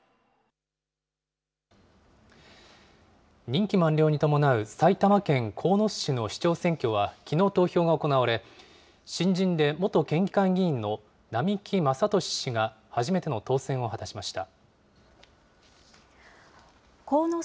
任期満了に伴う埼玉県鴻巣市の市長選挙はきのう投票が行われ、新人で元県議会議員の並木正年氏が初めての当選を果たしました。